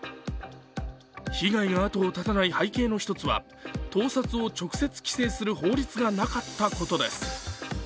被害が後を絶たない背景の１つは盗撮を直接規制する法律がなかったことです。